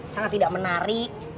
sangat tidak menarik